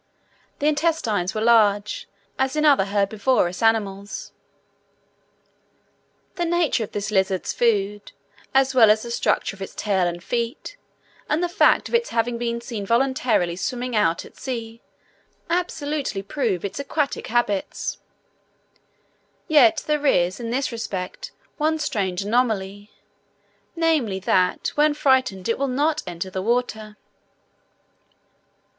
The intestines were large, as in other herbivorous animals. The nature of this lizard's food, as well as the structure of its tail and feet, and the fact of its having been seen voluntarily swimming out at sea, absolutely prove its aquatic habits; yet there is in this respect one strange anomaly, namely, that when frightened it will not enter the water.